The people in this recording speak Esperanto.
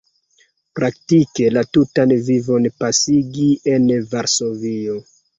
Praktike la tutan vivon pasigi en Varsovio.